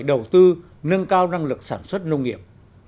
đầu tư nâng cao năng lực sản xuất nông nghiệp